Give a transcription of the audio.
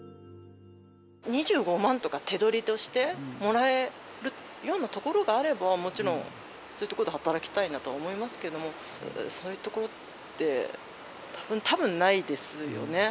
２５万とか、手取りとしてもらえるようなところがあれば、もちろん、そういうところで働きたいなとは思いますけれども、そういうところって、たぶんないですよね。